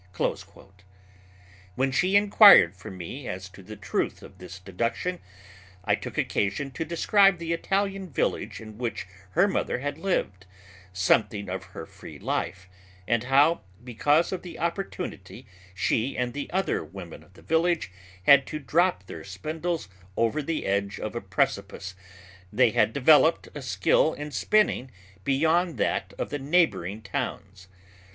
When she inquired from me as to the truth of this deduction, I took occasion to describe the Italian village in which her mother had lived, something of her free life, and how, because of the opportunity she and the other women of the village had to drop their spindles over the edge of a precipice, they had developed a skill in spinning beyond that of the neighboring towns.